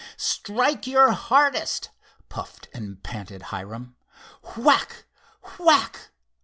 "Strike your hardest," puffed and panted Hiram. Whack! whack!